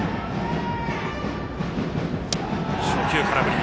初球、空振り。